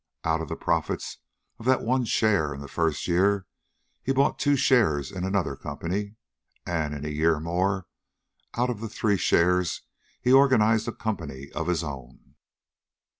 Out of the profits of that one share in the first year, he bought two shares in another company. And in a year more, out of the three shares, he organized a company of his own.